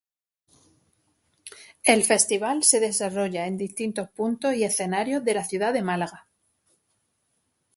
El Festival se desarrolla en distintos puntos y escenarios de la ciudad de Málaga.